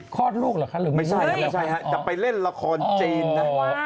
คลอดลูกเหรอคะหรือไม่ใช่ไม่ใช่ฮะจะไปเล่นละครจีนนะ